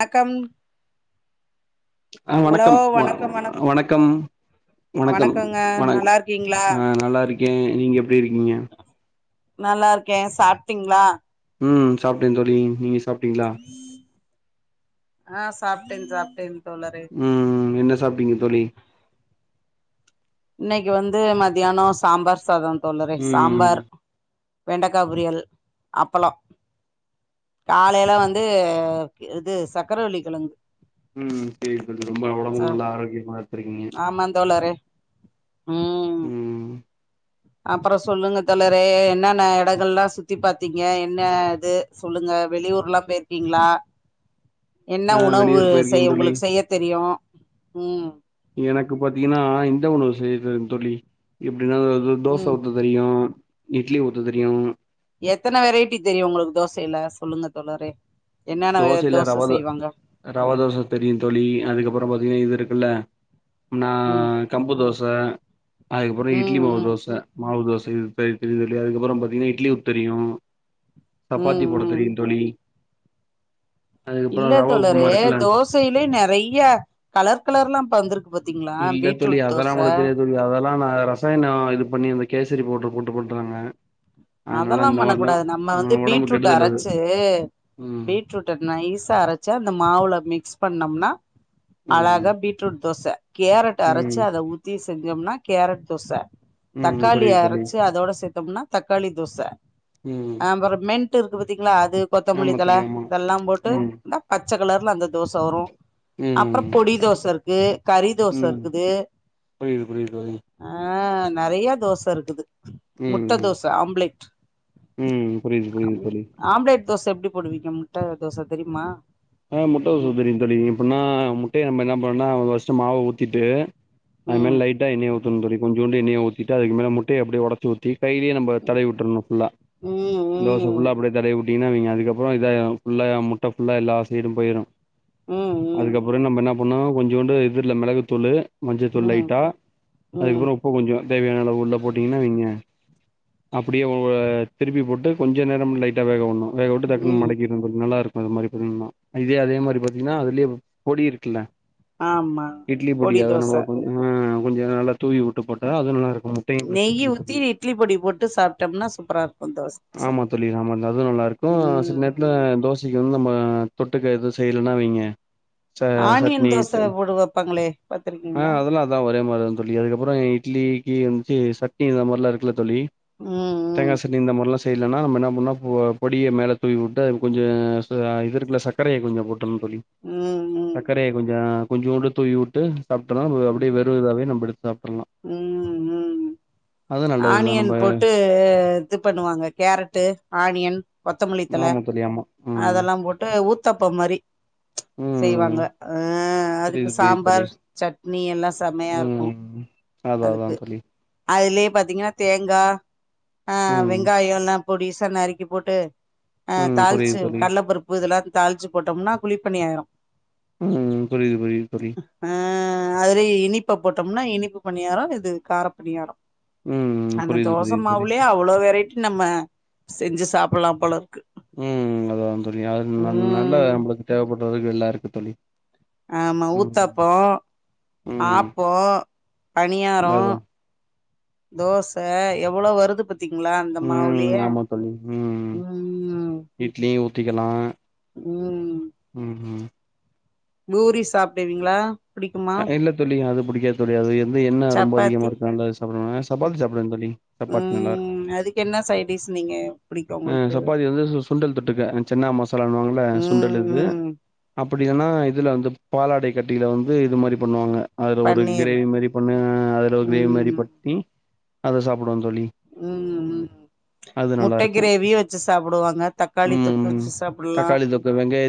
வணக்கம் ஆ ஹலோ வணக்கம் மா வணக்கம் வணக்கம் வணக்கம் வணக்கங்க வண நல்லா இருக்கீங்களா ஆ நல்லா இருக்கே நீங்க எப்டியிருக்கீங்க நல்லாருக்கே சாப்ட்டீங்ளா ம் சாப்ட்டேந் தோழி நீங்க சாப் ஆ சாப்ட்டேன் சாப்ட்டேன் தோழரே ம் என்ன சாப்டீங்க தோழி இன்னைக்கு வந்து மத்தியானோ சாம்பார் சாதோ தோழரே ம் சாம்பார் வெண்டக்கா பொரியல் அப்பளோ காலைல வந்து இது சக்கரவள்ளி கெழங்கு ம் செரி தோழி ரொம்ப ஒடம்பு நல்லா ஆரோக்கியமா வெச்சிருக்கீங்க ஆமாந் தோழரே ம் அப்றோ சொல்லுங்க தோழரே என்னென்ன எடங்கள்லா சுத்தி பாத்தீங்க என்ன இது சொல்லுங்க வெளியூர்லா போயிர்க்கீங்ளா என்ன ஆ உணவு வெளியூர் போயிருக்கே செய் தோழி உங்களுக்கு செய்ய தெரியு ம் எனக்கு பாத்தீங்கன்னா இந்த உணவு செய்தே தோழி எப்டின்னா தோ ம் தோச ஊத்த தெரியு இட்லி ஊத்த தெரியு எத்தன வெரைட்டி தெரியு உங்களுக்கு தோசையில சொல்லுங்க தோழரே என்னென்ன வே தோச செய்வாங்க ரவா தோச தெரியு தோழி அதுக்கப்றோ பாத்தீங்கன்னா இது இருக்குல்ல நா ம் கம்பு தோச அதுக்கப்றோ இட்லி ம் மாவு ம் தோச மாவு தோச இது செய் தெரியுந் தோழி அதுக்கப்புறோ பாத்தீங்கன்னா இட்லி ஊத்த தெரியு சப்பாத்தி ம் போட ம் தெரியுந் தோழி இல்ல அதுக்கப்புறம் ரவா உப்புமா தோழரே இருக்குல்ல தோசையிலயே நெறையா கலர் கலர்ல்லா இப்ப வந்திருக் இல்ல தோழி அதெல்லா போட தெரியாது தோழி அதெல்லா நா ர சாயனோ இது பண்ணி அந்த கேசரி பவுட்ரு போட்டு பண்றாங்க அதனால அதெல்லா அந்த பண்ண மாரிலா கூடாது நம்ம வந்து ம் ஒடம்பு பீட்ரூட் கெடுதல் அது அரச்சு ம் பீட் ரூட்ட நைஸா அரச்சு அந்த மாவுல மிக்ஸ் பண்ணம்னா ம் அழகா பீட்ரூட் தோச கேரட் அரச்சு ம் அத ஊத்தி செஞ்சம்னா கேரட் தோச ம் தக்காளி புரியுது தோழி அரச்சு அதோட சேத்தம்னா தக்காளி தோச ம் அ அப்ற மென் டு இருக்கு பாத்தீங்ளா அது கொத்தமல்லி ஆமா தல தோழி ஆமா இதெல்லா போட்டு ம் இந்த பச்ச கலர்ல அந்த தோச வரு அப்றோ ம் பொடி தோச இருக்கு கறி தோச இருக்குது புரிய்து புரிய்து தோழி ஆ நறைய தோச இருக்குது ம் முட்ட ம் தோஸ் ஆம்ப்லெட் ம் புரியுது புரியுது அம் தோழி ஆம்ப்லெட் தோச எப்டி போடுவீங்க முட்ட தோச தெரிமா ஆ முட்ட தோச தெரியு தெரியு எப்புன்னா முட்டைய நம்ம என்ன பண்ணுனா ஃபஸ்ட்டு மாவ ஊத்திட்டு அய் ம் மேல லைட்டா எண்ணெய ஊத்தணு தோழி கொஞ்சோண்டு எண்ணய ஊத்திட்டு அதுக்கு மேல முட்டைய அப்டியே ஒடச்சு ஊத் தி கைலயே நம்ப தடவி விட்ரணு ஃபுல்லா ம் தோச ம் ஃபுல்லா அப்டியே தடவி உட்டீங்னா அவிங்க அதுக்கப்றொ இதாய்ரு ஃபுல்லா முட்ட ஃபுல்லா எல்லா சைடு போய்ரு ம் அதுக்கப்றொ நம்ப என்னா பண்ணு கொஞ்சோண்டு இதுல மெளகுத்தூளு மஞ்சதூள் ம் ம் லைட்டா ம் அதுக்கப்றொ உப்பு கொஞ்சொ தேவையானளவு உள்ள போட்டீங்னா இவிங்க அப்டியே வா திருப்பி போட்டு கொஞ்ச நேரம் லை ட்டா வேக உண்ணோ வேக உட்டு டக்குன்னு ம் மடக்கிட்னு தோழி நல்லா இருக்கு அது மாரி பண்ணுனா இதே அதே மாரி பாத்தீங்னா அதுலயே பொடி இருக்குல்ல ஆமா இட்லி பொடி அத நம்ம ஆ கொஞ்ச நல்லா தூவி உட்டு போட்டா அது நல்லா நெய் ஊத்தி இருக்கு இட்லி பொடி போட்டு சாப்ட்டோம்னா சூப்பரா இருக்கு [unintelligible] தோச ஆமா தோழி ஆமா அது நல்லாருக் கு சில நேரத்ல ம் தோசக்கி வந்து நம்ம தொட்டுக்க எது செய்லன்னா வெய்ங்க ஆனியன் தோச போடு வப்பாங்களே பாத்ருக்கீங்களா ல்லா ஒரே மாரிதா தோழி அதுக்கப்பறொ இட்லிக்கீ வந்து சட்னி இந்த மாரில்லா இருக்குல்ல தோழி ம் தேங்கா சட்னி இந்த மார்லா செய்லன்னா நம்ம என்னா பண்ணோ பொ பொடிய மேல தூவி உட்டு அ கொஞ்சொ ச இது இருக்குல்ல ச சக்கரைய கொஞ்சொ கொட்டணு தோழி ம் ம் சச்கரைய கொஞ்சொ கொஞ்சோண்டு தூவி உட்டு சாப்ட்டனா ம் ப வெறு இதாவே நம்ப எடுத்து சாப்புல்லா ம் ம் அதா ஆனியன் போட்டு இது பண்ணுவாங்க கேரட்டு ஆனியன் கொத்தமல்லித்தல ஆமா தோழி ஆமா ம் அதெல்லா போட்டு ஊத்தாப்பம் மாரி ம் செய்வாங்க ஆ அது க்கு புரியுது புரியுது தோழி சாம்பார் சட்னி எல்லா சமையா இருக்கு ம் அதா அதா அதுக்கு தோழி அதுலயே பாத்தீங்கன்னா தேங்கா ஆ ம் வெங்காயொலா பொடீசா நறுக்கி போட்டு அ ம் புரியுது தாள்ச்சி தோழி கல்லப்பருப் பு இதெல்லா தாள்ச்சு போட்டோம்னா குளிப்பணியாய்ரு ம் புரிய்து புரிய்து தோழி ஆ அதுலயே இனிப்ப போட்டோம்னா இனிப்பு பணியாரொ இது காரப்பணியாரொ ம் அந்த புரியுது தோச புரியுது தோழி மாவ்லயே அவ் ளோ வெரைட்டி நம்ம செஞ்சு சாப்புல்லா போலருக்கு ம் அதா தோழி அது ந நல்ல ம் நம்ப்ளுக்கு தேவப்பட்றதுக்கு எல்லா இருக்கு தோழி ஆமா ம் ஊத்தாப்போ ம் ஆப்போ பணியாரோ அதா தோச எவ்வளோ வருது பாத் தீங்ளா அந்த ம் மாவுலயே ஆமா தோழி ம் ம் இட்லியு ஊத்திக்கலா ம் ம் ம் பூரி சாப்டுவீங்களா புடிக்குமா இல்ல தோழி அது புடிக்காது தோழி அது எந்து எண்ண ரொம்ப அதிகமா சப்பாத்தி இருக்கு அன்ல சாப்டுவே சப்பாத்தி சாப்டுவே தோழி சப்பாத்தி நல்லார் ம் அதுக்கு என்ன சைடிஸ் நீங்க புடிக்கு அ உங்களுக்கு சப்பாத்தி வந்து சுண்டல் தொட்டுக்க அ சென்னா மசா சாலானால ம் சுண்டல் இது ம் அப்டில்லன்னா இதுல வந்து பாலாடை கட்டில வந்து இது மாரி பண்ணுவாங்க அதுல் ஒரு பன்னீர் கிரேவி மாரி பண்ணு அதுல ஒரு கிரேவி மாரி ம் பண்ணி அத சாப்புடுவோ தோழி ம் ம் அது நல்லா முட்ட இருக்கு கிரேவியு வச்சு சாப்புடுவாங்க தக்காளி தொக்கு வச்சு சாப்புட்லா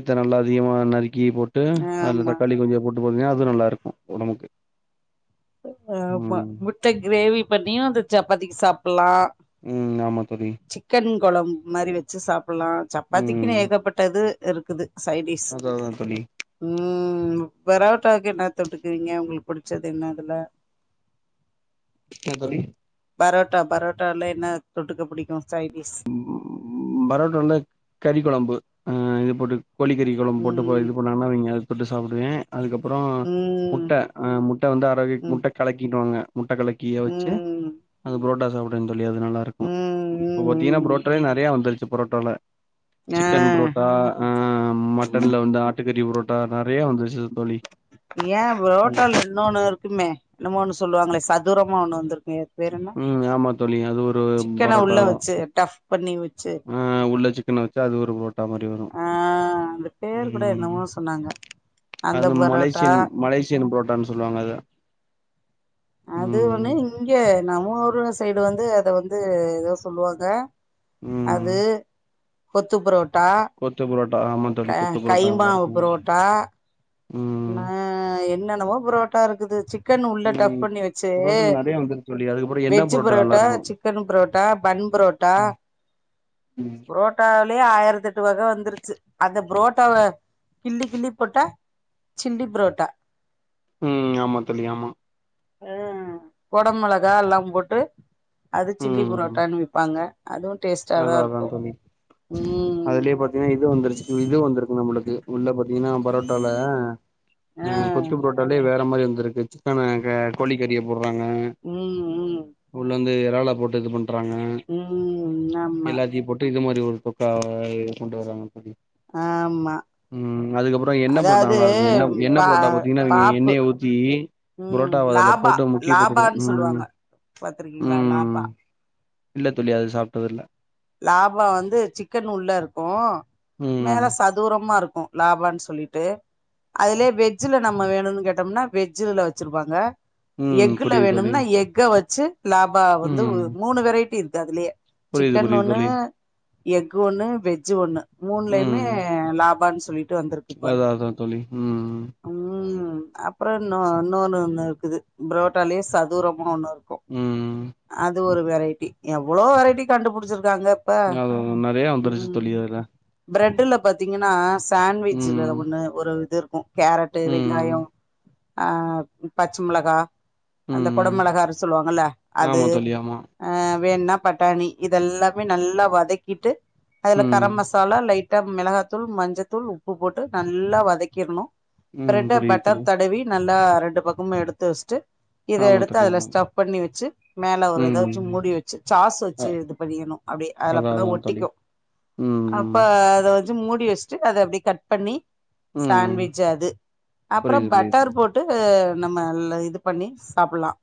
த நல்லா அதிகமா நறுக்கி போட்டு அதுல ஆமா தக்காளி கொஞ்சொ போட் போதுங்க அது நல்லா இருக்கு ஒடம்புக்கு ஆமா ம் முட்ட கிரேவி பண்ணியு அந்த சப்பாத்திக்கு சாப்புட்லா ம் ஆமா தோழி சிக்கன் கொழம்ப் மாரி வச்சு சாப்புட்லா சப்பாத்திக்கின்னு ம் ஏகப்பட் டது இருக்குது சைடிஸ்ஸு அதா அதா தோழி ம் பரோட்டாக்கு என்ன தொட்டுக்குவிங்க உங்களுக் புடுச்சது என்ன இதுல என்ன தோழி பரோட்டா பரோட்டாலஎன்ன தொட்டுக்க புடிக்கு சைடிஸ் பரோட்டால கறிக் கொழம்பு அ இது போட்டு கோழிக்கறி கொழம்பு போட்டு ப ம் இது பண்ண [unintelligible] அது தொட்டு சாப்புடுவே அதுக்கப்பறொ ம் முட்ட அ முட்ட வந்து அரவே ம் முட்ட கலக்கின்னுவாங்க முட்ட கலக் கிய வச்சு ம் ம் அது பொரொட்டா சாப்டுவேன் தோழி அது நல்லா இருக்கு இப்ப பாத்திங்கனா ம் புரொ டாலே நெறையா வந்துருச்சு பொரொட்டோல ம் சிக்கன் ஆ புரோட்டா அ மட்டன்ல் வந்து ஆட்டுக்கறி புரோட்டா நெறயா வந்துருச்சு தோழி ஏ ம் புரோட்டால இன்னோனு இருக்குமே என்னமோ ஒன்னு சொல்லுவாங்களே சதுரமா ஒன்னு வந்துருக்கே பேர் என்ன ம் ஆமா தோழி அது ஒரு சிக்கன உள்ள வச்சு டஃப் பண்ணி வச்சு அ உள்ள சிக்கன வச்சு அது ஒரு பொரட்டா மாரி வரு ஆ அந்த பேர் கூட என்னமோ சொன்னாங்க அந்த அது பரோட்டா மலேசியன் மலேசியன் புரோட்டான்னு சொல்லுவாங்க அத அது ம் ஒன்னு இங்கெ நம்ம ஊரு சைடு வந்து அத வந்து எதோ சொல்லுவாங்க ம் அது கொத்துப்புரோட் ட்டா கொத்து புரோட்டா ஆமா க தோழி கொத்து புரோட்டா நல்லா கைமாவ் இருக்கு புரோட்டா ம் னு என்னென்னெமோ புரோட்டா இருக்குது சிக்கன் உள்ள டஃப் பண்ணி வச்சு வந்துரு தோழி அதுக்கப்பறொ veg parotta chicken parotta bun parotta ம் ரோட்டாவ்லே ஆயிரத்தெட்டு வக வந்துருச்சு அந்த புரோட்டாவ கிள்ளி கிள்ளி போட்டா சில்லி புரோட்டா ம் ஆமா தோழி ஆமா ம் கொட மொளகா எல்லா போட்டு அது சில்லி ம் புரோட்டான்னு விப்பாங்க அதுவு டேஸ்டாதா இருக்கு ம் அதுலே பாத்திங்னா இது வந்துருச்சு இது வந்துருக்கு நம்மளுக்கு உள்ள பத்திங்கன்னா பரோட்டால அ கொத்து புரோட்டாலே வேற மாரி வந்துருக்கு சிக்கன கோழிக்கறிய போடுறாங்க ம் ம் உள்ள வந்து எறால போட்டு இது பண்றாங்க ம் ஆமா எல்லாத்தையும் போட்டு இது மாறி ஒரு தொக்கா கொண்டு வருவாங்க ஆமா ம் அதுக்கப்புறம் எண்ண புரோட்டா அதாவது நல்லா இருக்கும் எண்ண எண்ண பா புரோட்டா பாத்தீங்கன்னா இவிங்க பாப்பு எண்ணெய ஊத்தி ம் புரோட்டாவ அதுல லாபா போட்டு முக்கி போட்டுடு லாபானு ம் சொல்லுவாங்க பாத்திருக்கீங்களா ம் லாபா இல்ல தோழி அது சாப்ட்டது இல்ல லாபா வந்து சிக்கன் உள்ள இருக்கும் ம் மேல சதுரமா இருக்கும் லாபானு சொல்லிட்டு அதுலயே வெஜ்ஜில நம்ம வேணுனு கேட்டோம்னா வெஜ்ஜில வெச்சிருப்பாங்க ம் எக்குல புரியுது தோழி வேணும்னா எக்க வச்சு லாபா வந்து ம் மூணு வெரைட்டி இருக்கு அதுலயே புரியுது சிக்கன் புரியுது ஒன்னு தோழி எக்கு ஒண்ணு வெஜ்ஜூ ஒண்ணு மூணுலயுமே ம் லாபான்னு சொல்லிட்டு வந்திருக்கு இப்ப அதா அதா தோழி ம் ம் அப்றம் இன்னொ இன்னொன்னு ஒண்ணு இருக்குது புரோட்டாலயே சதுரமா ஒன்னு இருக் கும் ம் அது ஒரு வெரைட்டி எவ்ளோ வெரைட்டி கண்டுபிடிச்சிருக்காங்க ப்ப அது நெறைய வந்துருச்சு ம் தோழி அதுல பிரெட்ல பாத்தீங்கன்னா ம் சாண்ட்விட்சல ஒண்ணு ஒரு இது இருக்கும் கேரட்டு ம் வெங்காயம் அ பச்ச மிளகா அந்த ம் கொடமிளகா சொல்லுவாங்கல்ல அது ஆமா தோழி ஆமா ஆ வேண்ணா பட்டாணி இத எல்லாமே நல்லா வதக்கிட்டு அதுல ம் கரம் மசாலா லைட் மிளகாத்தூள் மஞ்சத்தூள் உப்பு போட்டு நல்லா வதக்கிர்ணும் ம் பிரெட்ட புரியுது தோழி பட்டர் தடவி நல்லா ரெண்டு பக்கமும் எடுத்து வெச்சுட்டு இத ஆமா எடுத்து தோழி அதுல ஆமா ஸ்டப் பண்ணி வெச்சு மேல ஒரு இத வெச்சு ம் மூடி வெச்சு சாசு அ ச்சு இது பண்ணிறணும் அப்டியே அதுல அதா அதா அப்பதான் தோழி ஒட்டிக்கும் ம் அப்ப ம் அத வந் மூடி வெச்சுட்டு அத அப்டியே கட் பண்ணி ம் சாண்ட்விச் அது அப்புறம் புரியுது புரியுது பட்டர் போட் ட்டு நம்மல்ல இது பண்ணி சாப்பிலாம்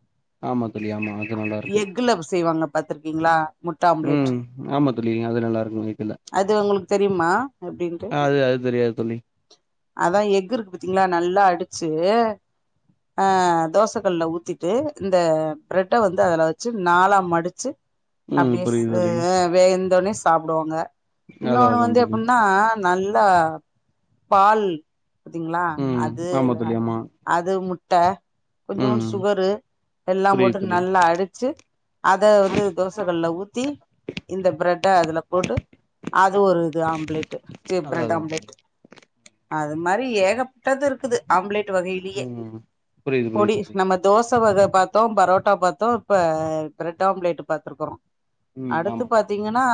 ஆமா தோழி ஆமா அது நல்லாருக்கும் [unintelligible] செய்வாங்க பாத்துருக்கீங்களா முட்ட ஆம்லேட் ம் ஆமா தோழி அது நல்லாருக்கும் வைத்துல அது ஒங்களுக்கு தெரியுமா எப்டின்ட்டு அது அது தெரியாது தோழி அதான் எக்கு இருக்கு பாத்தீங்களா நல்லா அடிச்சு ஆ தோசகல்ல ஊத்திட்டு இந்த பிரெட்ட வந்து அதுல வெச்சு நாலா மடிச்சு ம் அப்டியேஸ் புரியுது தோழி ஆ வெந்தோனே சாப்டுவாங்க அதா இன்னொன்னு அதா வந்து தோழி எப்ன்னா நல்லா பால் பாத்தீங்களா ம் ஆமா அதுல தோழி ஆமா அது முட்ட கொஞ்சொண்டு ம் சுகரு எல்லாம் புரியுது போட்டு தோழி நல்லா அடிச்சு அத வந்து தோசகல்ல ஊத்தி இந்த பிரெட்ட அதுல போட்டு அது ஒரு இது ஆம்லேட் அதா பிரெட் அதா தோழி ஆம்லேட் அது மாறி ஏகப்பட்டது இருக்குது ஆம்லேட் வகயிலயே ம் புரியுது பொடி புரியுது தோழி நம்ம தோச வக பாத்தோம் பரோட்டா பாத்தோம் இப்ப பிரெட் ஆம்ப்லேட் பாத்திருக்கறோம் ம் அடுத்து ஆமா பாத்தீங்கன் னா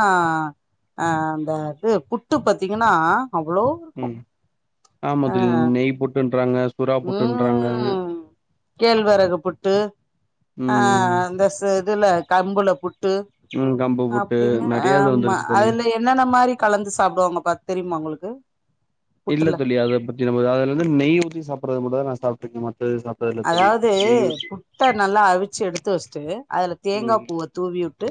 அந்த இது புட்டு பாத்தீங்கன்னா அவ்வளோ ம் ஆமா தோழி நெய் புட்டுன்றாங்க சுறா புட்டுன்றாங்க ம் கேழ்வரகு புட்டு ஆ ம் இந்த ச இதுல கம்புல புட்டு ம் கம்பு புட்டு அப்டினு நெறைய இது ஆமா வந்துருச்சு தோழி அதுல எ ன்னென்ன மாரி கலந்து சாப்டுவாங்கப்பா தெரியுமா உங்களுக்கு இல்ல புட்டுல தோழி அத பத்தி நமக்கு அதுல வந்து நெய் ஊத்தி சாப்பட்றது மட்டுந்தா நா சாப்ட்ருக்கே மத்த எது சா அதாவது புட்ட நல்லா அவிச்சு எடுத்து வச்சுட்டு அதுல தேங்கா ம் பூவ தூவி விட்டு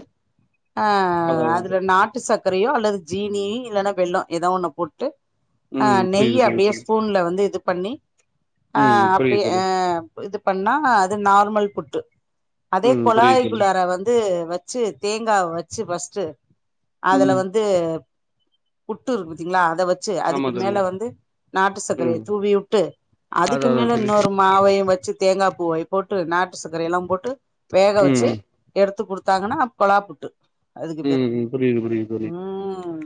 ஆ அதா அதா அதுல தோழி நாட்டு சக்கரையோ அல்லது ஜீனி இல்லன்னா வெல்லோ எதோ ஒண்ண போட்டு ஆ ம் நெய் புரியுது புரியுது அப்டியே தோழி ஸ்பூன்ல வந்து இது பண்ணி ஆ ம் புரியுது அப்டியே தோழி அ இது பண்ணா அது நார்மல் புட்டு அதே ம் புரியுது தோழி கொழாய்க்குள்ளார வந்து வ ச்சு தேங்காவ வச்சு ஃபஸ்ட்டு அதுல ம் வந் து புட்டு இருக்கு பாத்தீங்களா அத வச் சு ஆமா அதுக்கு தோழி மேல வந்து நாட்டு சக்கரய ம் தூவி விட்டு அதுக்கு அதா அதா மேல தோழி இன்னொரு மாவயு வச் சு தேங்கா பூவையு போட்டு நாட்டு சக்கரை எல்லாம் போட்டு வேக ம் வச்சு எடுத்து குடுத்தாங்கன்னா கொழா புட்டு அதுக்கு பேரு ம் ம் புரியுது புரியுது புரியுது ம்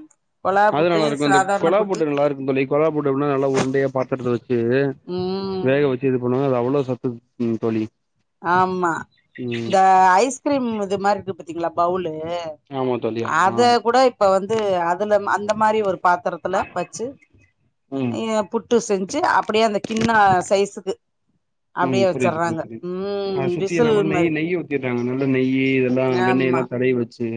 கொழா அது புட்டு நல்லா இருக்கு அந்த சாதாரண கொழா புட்டு நல்லா இருக்குந் தோழி கொழா புட்டு எப்டினா நல்லா உருண்டையா பாத்திரத்த வச்சு ம் வேக வச்சு இது பண்ணுவாங்க அது அவ்ளோ சத்து இருக்குந் தோழி ஆமா ம் இந்த ஐஸ்கிரீம் இது மாரி இருக்கு பாத்தீங்ளா பவுலு ஆமா தோழி ஆமா அத கூட இப்ப வந்து அதுல அந்த மாரி ஒரு பாத்திரத்துல வச்சு ம் நீங்க புட் டு செஞ்சு அப்பிடியே அந்த கிண்ண சைஸுக்கு ம் அப்டியே புரியுது புரியுது வச்சர்றாங்க தோழி அத ம் சுத்தி என்ன விசில் பண் மாரி நெய் நெய்யி ஊத்திர்றாங்க நல்ல நெய்யி இதெல்லா வெண்ணெய் ஆமா எல்லா தடவி வெச்சு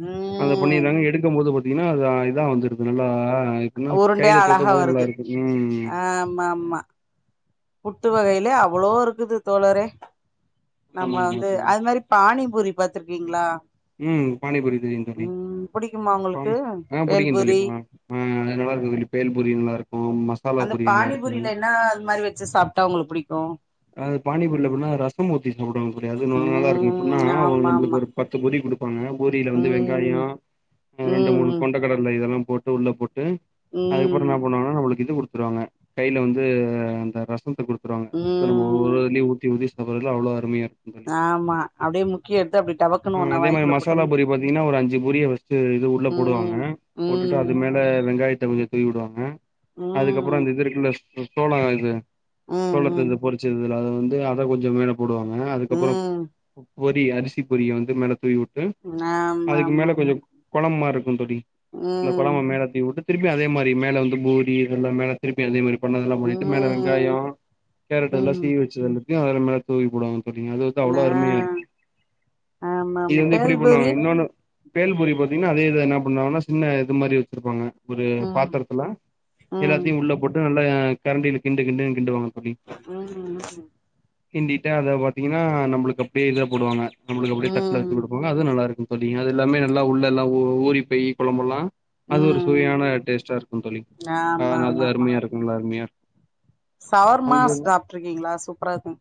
ம் அத பண்ணிர்றாங்க எடுக்கும் போது பாத்தீங்கன்னா அது இதா வந்துருது நல்லா எப்பிட்னா உருண்டையா கையில அழகா தொடும் போதே நல்லா வருது இருக்கு ம் ஆமா ஆமா புட்டு வகையில அவ்ளோ இருக்குது தோழரே நம்ம ஆமா ஆமா வந்து தோழி அது மாரி பானி பூரி பாத்திருக்கீங்களா ம் பானி பூரி தெரியுந் தோழி புடிக்குமா பானி உங்களுக்கு ஆ புடிக்குந் தோழி பேல்பூரி பா ஆ அது நல்லா இருக்கு தோழி பேல் பூரி நல்லா இருக்கு மஸ் அந்த பானி பூரில என்ன அது மாரி வச்சு சாப்ட்டா உங்களுக்கு புடிக்கு அது பானி பூரில எப்டினா ரசம் ஊத்தி சாப்டுவாங்க தோழி அது ந நல்லா இருக்கு எப்பிட்னா ம் ஒரு ஆமா நம்பளுக்கு ஆமா ஒரு பத் து பூரி குடுப்பாங்க பூரியில வந்து ம் வெங்காயோ ஆ ரெண்டு மூணு ம் கொண்ட கடல இதெல்லா போட்டு உள்ள போட்டு அதுக்கப்புற ம் என்னா பண்ணுவாங்கன்னா நம்மளுக்கு இது குடுத்துருவாங்க கைல வந்து அந்த ரசத்த குடுத்துருவாங்க ரச த்த நம்ம ம் ஒவ்வொரு இதுலயு ஊத்தி ஊத்தி சாப்பட்றதுல அவ்ளோ அருமையா தோழி ஆமா அப்டியே முக்கி எடுத்து அப்டியே டபக் ஆ அதே மாரி மசாலா பூரி பாத் தீங்கனா ஒரு அஞ்சு பூரிய ஃபஸ்ட்டு இது உள்ள போடுவாங்க ம் போட்டுட்டு ம் அது மேல வெங்காயத்த கொஞ்ச தூவி விடுவாங்க அதுக்கப்புறோ ம் அந்த இது இருக்கில்ல சோ சோளோ இது ம் சோளத்த இந்த பொரி ச்சதுல அத வந்து அத கொஞ்ச மேல போடுவாங்க ம் அதுக்கப்புறோ ம் பொ பொரி அரிசி பொரிய வந் து மேல தூவி விட்டு ஆமா அதுக்கு ஆமா மேல கொஞ்ச ஆமா கொழம்பு மாரி இருக்கு தோழி அந்த ம் கொழம்ப மேல தூவி விட்டு திருப்பி அதே மாரி மேல வந்து பூரி இதெல்லா மேல திருப்பி அதே மாரி பண்ணதெல்லா பண்ணிட்டு மேல வெங் ம் காயோ கேரட்டு எல்லா ம் சீவி வெச்சத வந்துட்டு அதுல மேல தூவி போடுவாங்க தோழி அது வந்து அவ்ளோ நா அருமையா இருக்கு ஆமா இது ஆமா வந்து இப்டி பேல்பூரி பண்ணுவாங்க இன்னொன்னு பேல்பூரி பாத்தீங்னா அதே இத என்னா பண்ணாங்னா சின்ன இது மாரி வச்சிருப்பாங்க ஒரு ம் பாத்தரத்தில்ல ம் எல்லாத்தையு உள்ள போட்டு நல்ல அ கரண்டில கிண்டு கிண்டு கிண்டு வாங்க தோழி ம் ம் கிண்டிட்டா அத பாத்தீங்னா நம்ளுக்கு அப்டியே இத போடுவாங்க நம்ளுக்கு அப்டியே தட்டுல வச்சி ம் குடுப்பாங்க அது நல்லா இருக்கு தோழி அது எல்லாமே நல்லா உள்ள எல்லா ஊ ஊரி பேய் கொழம்பெல்லா அது ஒரு ம் சுவையான டேஸ்ட்டா இருக்கு தோழி ஆமா ஆனா அது ஆமா அருமையா இருக்குமில அருமையா இருக்கும் சவர்மாஸ் அங்க சாப்ட்ருக்கீங்ளா சூப்பார இருக்கு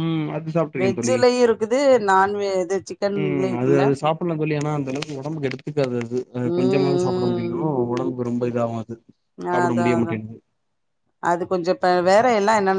ம் அது சாப்ட்ருக்கே தோழி வெஜிலயு இருக்குது நான்வே இதே சிக் ம் அது அது சாப்லா தோழி ஆனா அந்த அளவுக்கு உடம்புக்கு எடுத்துக்காது அது அ கொஞ்சமாதா சாப்ட ம் முடியு உடம்புக்கு ரொம்ப இதாவு அது ம் சாப்ட அதா முடிய அதா மாட்டேன்து அது கொஞ்சோ ப வேற எல்லா என்னன்